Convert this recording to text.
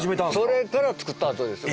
それから作ったあとですよ。